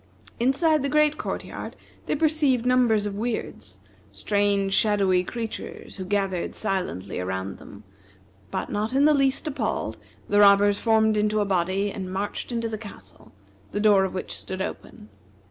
Inside the great court yard they perceived numbers of Weirds strange shadowy creatures who gathered silently around them; but not in the least appalled, the robbers formed into a body, and marched into the castle, the door of which stood open.